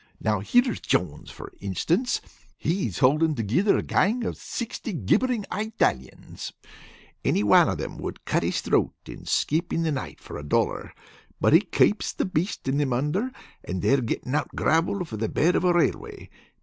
Now here's Jones, for instance, he's holdin' togither a gang of sixty gibbering Atalyans; any wan of thim would cut his throat and skip in the night for a dollar, but he kapes the beast in thim under, and they're gettin' out gravel for the bed of a railway.